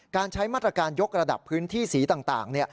ใช้มาตรการยกระดับพื้นที่สีต่าง